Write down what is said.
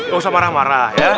gak usah marah marah